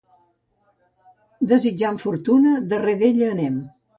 Desitjant fortuna, darrere d'ella anem.